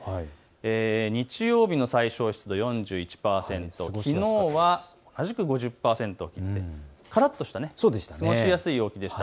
日曜日の最小湿度４１％、きのうは５０％を切って、からっとした過ごしやすい陽気でした。